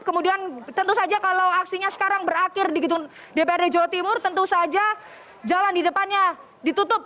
kemudian tentu saja kalau aksinya sekarang berakhir di gedung dprd jawa timur tentu saja jalan di depannya ditutup